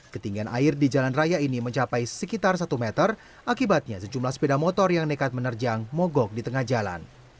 ketinggian air di jalan raya ini mencapai sekitar satu meter akibatnya sejumlah sepeda motor yang nekat menerjang mogok di tengah jalan